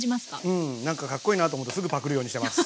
うんなんか格好いいなと思ってすぐパクるようにしてます。